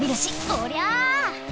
おりゃ！